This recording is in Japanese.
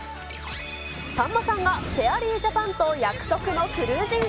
さんまさんがフェアリージャパンと約束のクルージング。